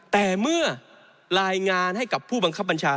แต่เมื่อรายงานให้กับผู้บังคับบัญชา